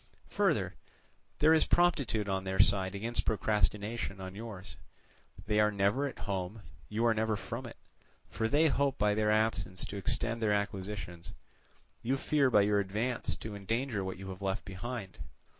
Further, there is promptitude on their side against procrastination on yours; they are never at home, you are never from it: for they hope by their absence to extend their acquisitions, you fear by your advance to endanger what you have left behind.